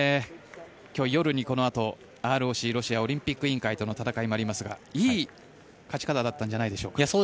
今日、夜にこのあとＲＯＣ・ロシアオリンピック委員会との戦いもありますがいい勝ち方だったんじゃないでしょうか。